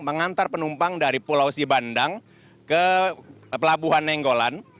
mengantar penumpang dari pulau sibandang ke pelabuhan nenggolan